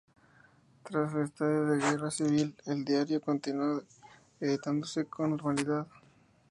Tras el estallido de la Guerra civil el diario continuó editándose con normalidad.